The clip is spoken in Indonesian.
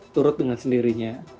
turut dengan sendirinya